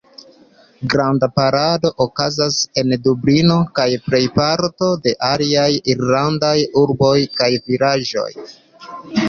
Granda parado okazas en Dublino kaj plejparto de aliaj Irlandaj urboj kaj vilaĝoj.